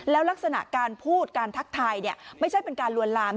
แล้วลักษณะการพูดการทักทายไม่ใช่เป็นการลวนลาม